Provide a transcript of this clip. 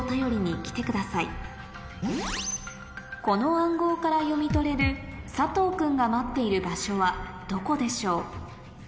この暗号から読み取れる佐藤君が待っている場所はどこでしょう？